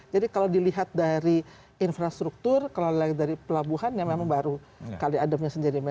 jadi kalau dilihat dari infrastruktur kalau dari pelabuhan yang baru kaliadam sendiri